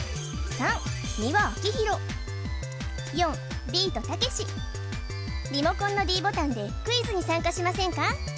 美輪明宏４ビートたけしリモコンのｄボタンでクイズに参加しませんか？